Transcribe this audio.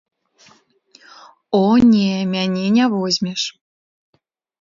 О, не, мяне не возьмеш.